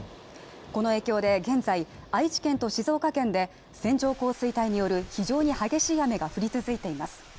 この影響で現在、愛知県と静岡県で線状降水帯による非常に激しい雨が降り続いています。